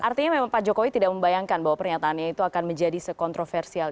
artinya memang pak jokowi tidak membayangkan bahwa pernyataannya itu akan menjadi sekontroversial